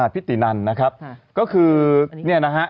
พิธีนันนะครับก็คือเนี่ยนะฮะ